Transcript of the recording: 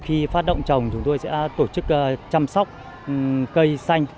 khi phát động trồng chúng tôi sẽ tổ chức chăm sóc cây xanh